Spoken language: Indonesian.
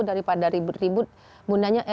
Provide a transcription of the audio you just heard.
daripada ribut ribut bundanya